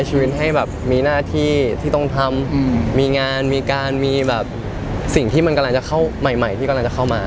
ชีวิตให้แบบมีหน้าที่ที่ต้องทำมีงานมีการมีแบบสิ่งที่มันกำลังจะเข้าใหม่ใหม่ที่กำลังจะเข้ามา